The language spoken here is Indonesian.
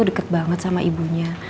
deket banget sama ibunya